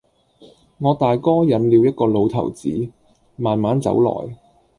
我大哥引了一個老頭子，慢慢走來；